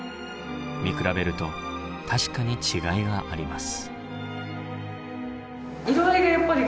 見比べると確かに違いがあります。